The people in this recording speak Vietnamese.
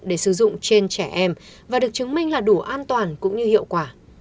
để sử dụng trên trẻ em và được chứng minh là đủ an toàn cũng như hiệu quả